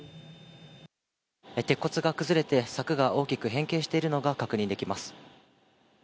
鉄骨が崩れて柵が大きく変形しているのが確認できます。